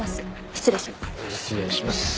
失礼します。